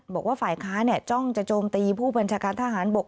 บอกว่าฝ่ายค้าจ้องจะโจมตีผู้บัญชาการทหารบก